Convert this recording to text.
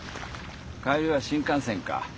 帰りは新幹線か？